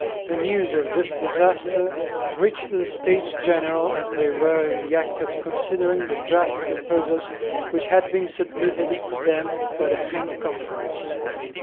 The news of this disaster reached the States General, as they were in the act of considering the draft proposals which had been submitted to them by the Ghent conference.